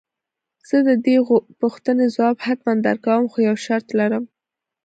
زه دې د دې پوښتنې ځواب حتماً درکوم خو يو شرط لرم.